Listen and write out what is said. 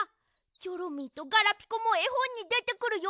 チョロミーとガラピコもえほんにでてくるよ。